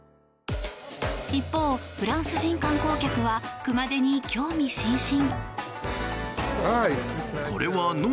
一方、フランス人観光客は熊手に興味津々。